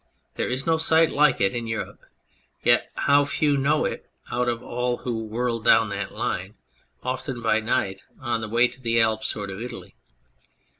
There is no sight like it in Europe, yet how few know it out of all who whirl down that line often by night on the way to the Alps or to Italy